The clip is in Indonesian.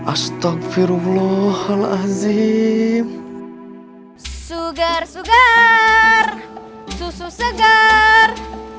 allahul azim sugar sugar susu segar